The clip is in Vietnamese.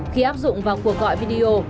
khi áp dụng vào cuộc gọi video